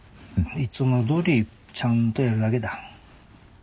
いつも通りちゃんとやるだけだ。